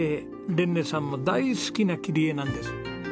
レンネさんも大好きな切り絵なんです。